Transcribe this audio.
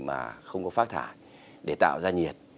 và không có phác thải để tạo ra nhiệt